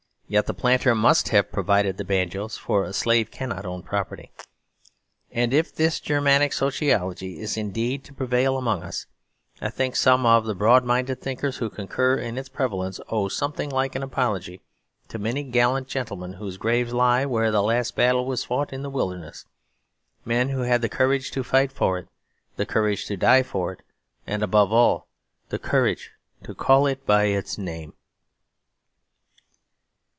Yet the planter must have provided the banjos, for a slave cannot own property. And if this Germanic sociology is indeed to prevail among us, I think some of the broad minded thinkers who concur in its prevalence owe something like an apology to many gallant gentlemen whose graves lie where the last battle was fought in the Wilderness; men who had the courage to fight for it, the courage to die for it and, above all, the courage to call it by its name.